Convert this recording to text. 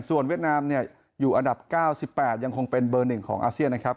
ส่วนเวียดนามอยู่อันดับ๙๘ยังคงเป็นเบอร์๑ของอาเซียนนะครับ